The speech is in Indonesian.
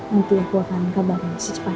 nanti aku akan kabarin secepatnya